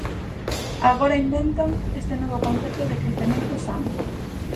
Agora inventan este novo concepto de crecemento san.